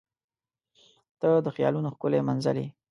• ته د خیالونو ښکلی منزل یې.